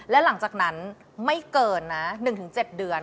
และหลังจากนั้นไม่เกินนะ๑๗เดือน